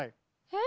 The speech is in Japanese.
え？